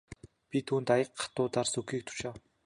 Би түүнд аяга хатуу дарс өгөхийг тушаав.